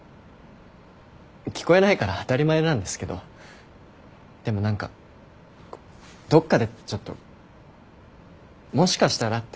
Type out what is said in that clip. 聞こえないから当たり前なんですけどでも何かどっかでちょっともしかしたらって。